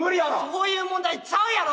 そういう問題ちゃうやろ！